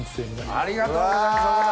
ありがとうございます岡田さん。